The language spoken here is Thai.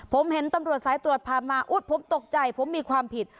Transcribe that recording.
ผมเห็นตำรวจสายตรวจพามาอุ๊ยผมตกใจผมมีความผิด